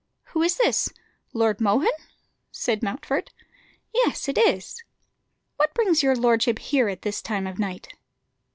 "Who is this? Lord Mohun?" said Mountfort. "Yes, it is." "What brings your lordship here at this time of night?"